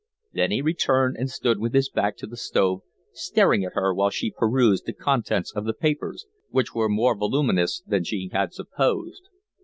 Then he returned and stood with his back to the stove, staring at her while she perused the contents of the papers, which were more voluminous than she had supposed.